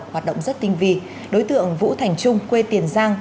hoạt động rất tinh vi đối tượng vũ thành trung quê tiền giang